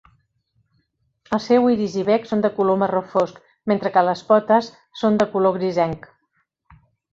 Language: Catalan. El seu iris i bec són de color marró fosc mentre que les potes són de color grisenc.